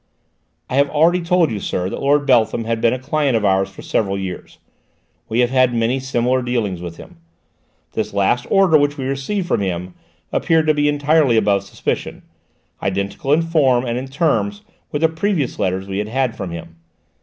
"I have already told you, sir, that Lord Beltham had been a client of ours for several years; we have had many similar dealings with him. This last order which we received from him appeared to be entirely above suspicion: identical in form and in terms with the previous letters we had had from him."